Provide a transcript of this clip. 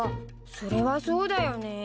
それはそうだよね。